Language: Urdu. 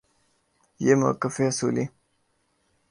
یہ موقف اصولی